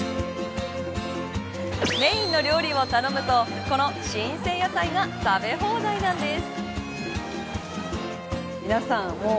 メーンの料理を頼むとこの新鮮野菜が食べ放題なんです。